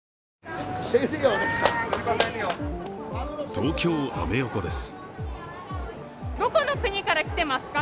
東京・アメ横です。